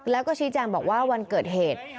แล้วก็ชี้แจงบอกว่าวันเกิดเหตุ